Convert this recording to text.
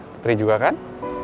putri juga kan